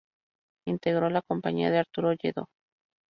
Integró la compañía de Arturo Lledó.